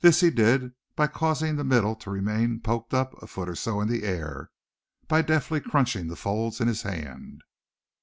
This he did by causing the middle to remain poked up a foot or so in the air, by deftly crunching the folds in his hand.